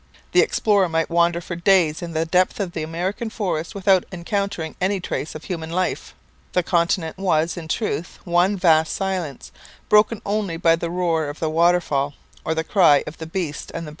The explorer might wander for days in the depths of the American forest without encountering any trace of human life. The continent was, in truth, one vast silence, broken only by the roar of the waterfall or the cry of the beasts and birds of the forest.